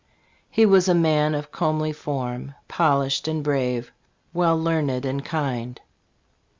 He was a man of comely form, Polished and brave, well learned and kind.